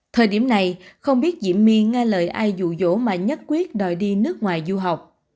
thời điểm này không biết diệm my nghe lời ai dụ dỗ mà nhất quyết đòi đi nước ngoài du học